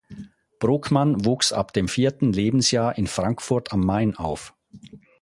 Brockmann wuchs ab dem vierten Lebensjahr in Frankfurt am Main auf.